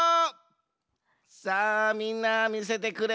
さあみんなみせてくれ。